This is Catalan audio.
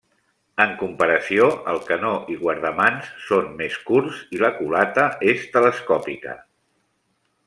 En comparació, el canó i guardamans són més curts i la culata és telescòpica.